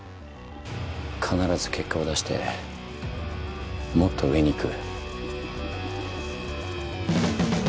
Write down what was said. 必ず結果を出してもっと上にいく。